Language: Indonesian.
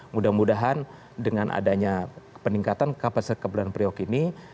mudah mudahan dengan adanya peningkatan kapasitas kebulan priok ini